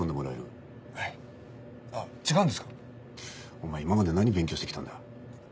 お前今まで何勉強してきたんだ？